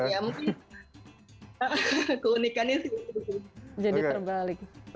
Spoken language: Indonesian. ya mungkin keunikannya sih